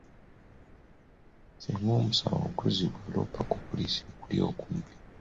Singa omusango guzzibwa, loopa ku poliisi ekuli okumpi.